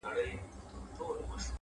زه به د خال او خط خبري كوم;